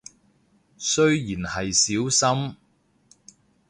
雖然係少深